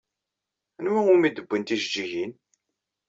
Anwa umi d-wwin tijeǧǧigin?